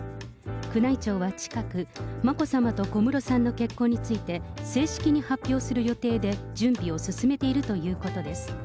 宮内庁は近く、眞子さまと小室さんの結婚について、正式に発表する予定で準備を進めているということです。